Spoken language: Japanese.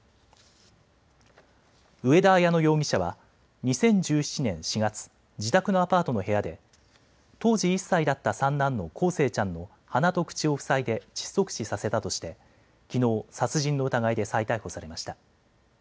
上田綾乃容疑者は２０１７年４月、自宅のアパートの部屋で当時１歳だった三男の康生ちゃんの鼻と口を塞いで窒息死させたとして、きのう殺人の疑いで再逮捕されました。